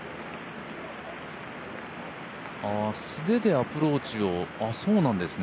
素手でアプローチを、そうなんですね。